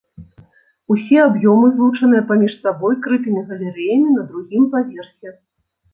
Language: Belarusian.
Усе аб'ёмы злучаныя паміж сабой крытымі галерэямі на другім паверсе.